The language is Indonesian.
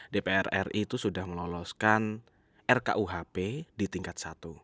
dpr ri itu sudah meloloskan rkuhp di tingkat satu